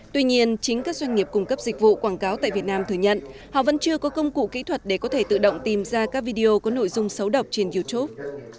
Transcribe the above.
tuy nhiên chính các doanh nghiệp cung cấp dịch vụ quảng cáo tại việt nam thừa nhận họ vẫn chưa có công cụ kỹ thuật để có thể tự động tìm ra các video có nội dung xấu độc trên youtube